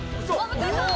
向井さん！